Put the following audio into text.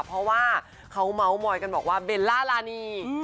เพราะว่าเขาเบลล่าลานี